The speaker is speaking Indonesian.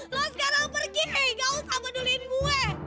lo sekarang pergi nggak usah peduliin gue